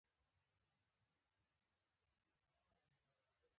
د بېلګې په توګه دوی د ښکار لپاره له لومې څخه استفاده نه کوله